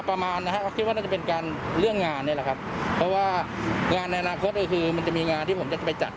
เพราะว่างานในลังคตคือมันจะมีงานที่ผมจะไปจัด